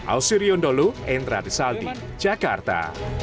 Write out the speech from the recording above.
ausirion dolo endra disaldi jakarta